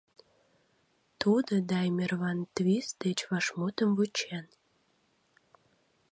Тудо Даймер-ван-Твист деч вашмутым вучен.